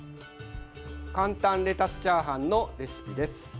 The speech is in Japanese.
簡単レタスチャーハンのレシピです。